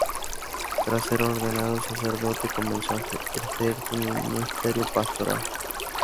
Tras ser ordenado sacerdote comenzó a ejercer su ministerio pastoral.